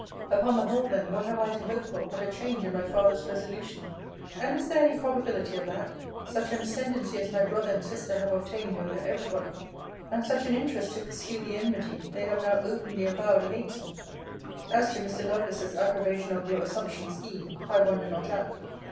Upon the whole, then, what have I to hope for, but a change in my father's resolution? And is there any probability of that; such an ascendancy as my brother and sister have obtained over every body; and such an interest to pursue the enmity they have now openly avowed against me? As to Mr. Lovelace's approbation of your assumption scheme, I wonder not at.